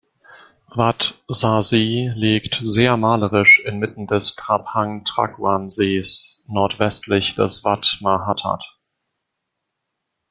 Wat Sa Si liegt sehr malerisch inmitten des Traphang-Trakuan-Sees nordwestlich des Wat Mahathat.